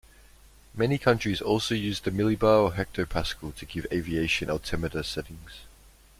Many countries also use the millibar or hectopascal to give aviation altimeter settings.